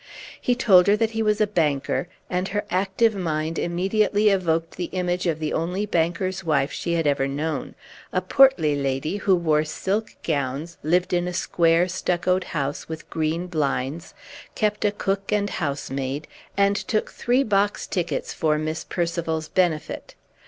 He told her that he was a banker, and her active mind immediately evoked the image of the only banker's wife she had ever known a portly lady, who wore silk gowns, lived in a square, stuccoed house with green blinds, kept a cook and house maid, and took three box tickets for Miss Percival's benefit.